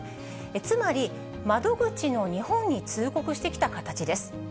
つまり窓口の日本に通告してきた形です。